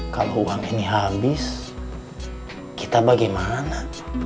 kalau uang ini habis kita bagaimana